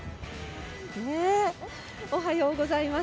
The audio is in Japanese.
おはようございます。